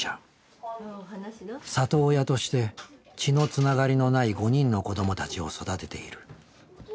里親として血のつながりのない５人の子どもたちを育てている。